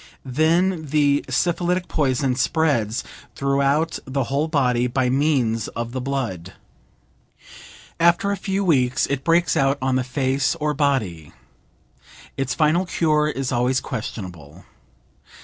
Then the syphilitic poison spreads throughout the whole body by means of the blood. After a few weeks it breaks out on the face or body. Its final cure is always questionable.